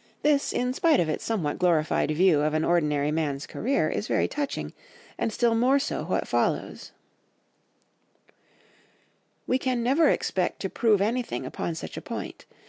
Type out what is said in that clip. '" This, in spite of its somewhat glorified view of an ordinary man's career, is very touching, and still more so what follows— "'We can never expect to prove anything upon such a point.